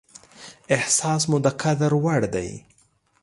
احساس مو د قدر وړ دى.